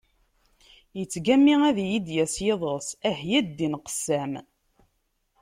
Yettgami ad yi-d-yas yiḍes, ah ya ddin qessam!